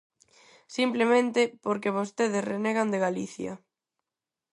Simplemente porque vostedes renegan de Galicia.